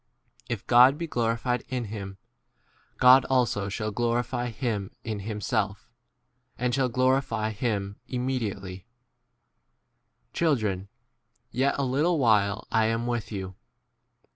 If God be p glorified in him, God also shall glorify him in himself, and shall glorify him im 33 mediately. Children, yet a little while I am with you.